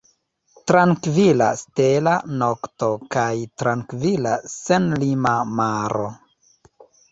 Trankvila stela nokto kaj trankvila senlima maro.